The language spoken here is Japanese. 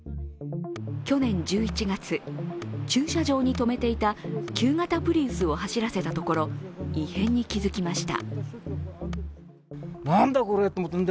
去年１１月、駐車場に止めていた旧型プリウスを走らせたところ異変に気付きました。